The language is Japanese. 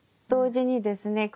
同時にですね